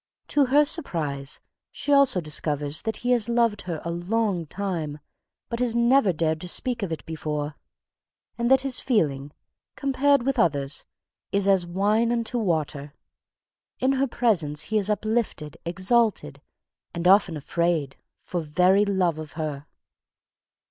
To her surprise, she also discovers that he has loved her a long time but has never dared to speak of it before, and that this feeling, compared with the others, is as wine unto water. In her presence he is uplifted, exalted, and often afraid, for very love of her.